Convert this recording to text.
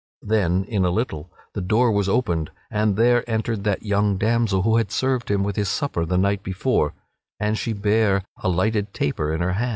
Then, in a little, the door was opened and there entered that young damsel who had served him with his supper the night before, and she bare a lighted taper in her hand.